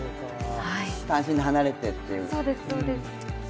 単身で離れてというね。